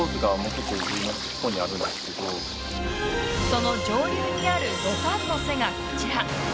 その上流にあるドカンの瀬がこちら。